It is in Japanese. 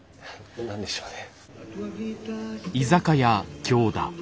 何でしょうね。